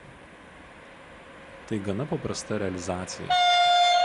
Tai gana paprasta realizacija.